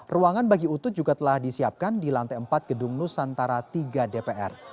ruangan bagi utut juga telah disiapkan di lantai empat gedung nusantara tiga dpr